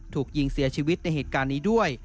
ถูกยิงเสียชีวิตในเหตุการณ์นี้ด้วย